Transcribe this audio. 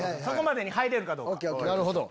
そこまでに入れるかどうか。